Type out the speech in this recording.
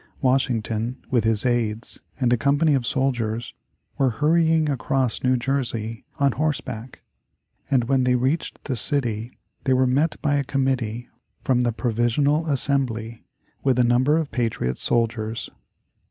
Washington with his aides and a company of soldiers were hurrying across New Jersey on horseback, and when they reached the city they were met by a committee from the Provisional Assembly, with a number of patriot soldiers.